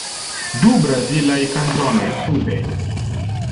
Du brazilaj kanzonoj, sube.